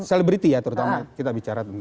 selebriti ya terutama kita bicara tentang